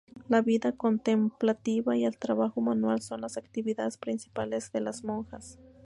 La vida contemplativa y el trabajo manual son las actividades principales de las monjas.